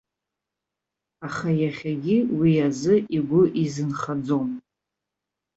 Аха иахьагьы уи азы игәы изынхаӡом.